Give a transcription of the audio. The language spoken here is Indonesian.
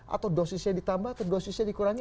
atau dosisnya ditambah atau dosisnya dikurangi